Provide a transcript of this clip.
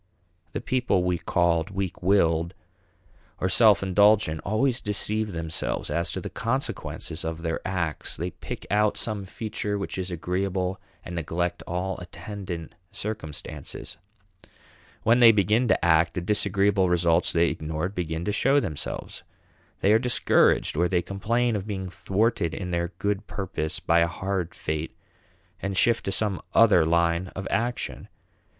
The people we called weak willed or self indulgent always deceive themselves as to the consequences of their acts. They pick out some feature which is agreeable and neglect all attendant circumstances. When they begin to act, the disagreeable results they ignored begin to show themselves. They are discouraged, or complain of being thwarted in their good purpose by a hard fate, and shift to some other line of action.